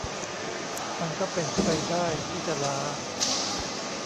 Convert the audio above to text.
มันก็เป็นไปได้ที่จะล้า